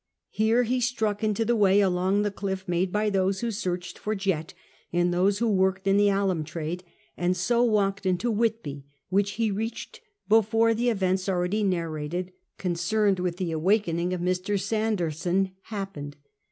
Here he struck into the way along the cliff inside by those who sesirched for jet and those who worked in the alum trade, and so walked into Whitby, which he reached before the events alreiuly narrated, concerned with the siwaking of Mr. Sanderson, happened.